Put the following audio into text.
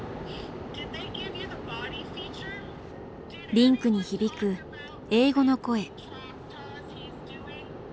リンクに響く英語の声。